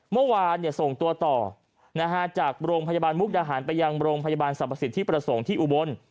เมื่อวานส่งตัวต่อจากโรงพยาบาลมุกดาหารไปยังโรงพยาบาลสรรพสิทธิประสงค์ที่อุบล